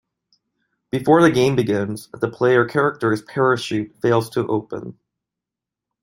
Before the game begins, the player character's parachute fails to open.